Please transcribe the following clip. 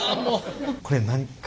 これ何か。